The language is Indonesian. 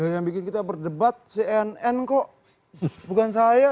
yang bikin kita berdebat cnn kok bukan saya